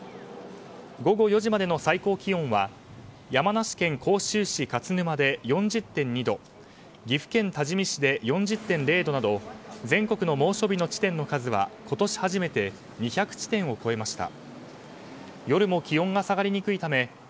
午後４時までの最高気温は山梨県甲州市勝沼で４０．２度岐阜県多治見市で４０．０度など全国の猛暑日の数は今年初めて２００地点を超えました。